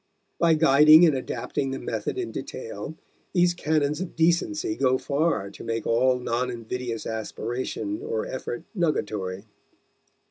By guiding and adapting the method in detail, these canons of decency go far to make all non invidious aspiration or effort nugatory.